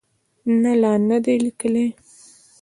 نه، لا نه ده لیکلې